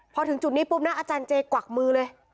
พอถึงจุดนี้ปุ๊บนะอาจารย์เจกวักมือเลย